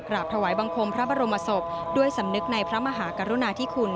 กราบถวายบังคมพระบรมศพด้วยสำนึกในพระมหากรุณาธิคุณ